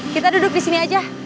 kita duduk disini aja